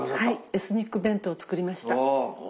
エスニック弁当を作りました。